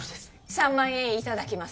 ３万円いただきます